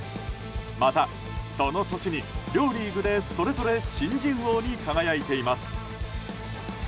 また、その年に両リーグでそれぞれ新人王に輝いています。